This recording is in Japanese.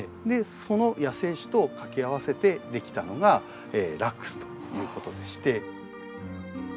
その野生種と掛け合わせてできたのがラックスということでして。